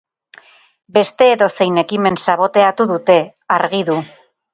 Beste edozein ekimen saboteatu dute, argi du.